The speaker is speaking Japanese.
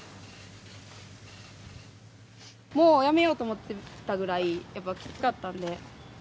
もうやめようと思ってたぐらいやっぱりきつかったんで。